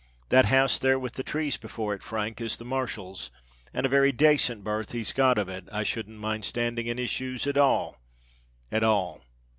"That house there, with the trees before it, Frank, is the Marshal's—and a very dacent berth he's got of it: I shouldn't mind standing in his shoes at all, at all.